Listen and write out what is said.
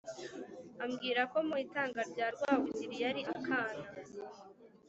ambwira ko mu itanga rya Rwabugili yari akana